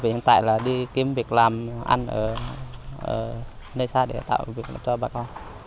hiện tại là đi kiếm việc làm ăn ở nơi xa để tạo việc cho bà con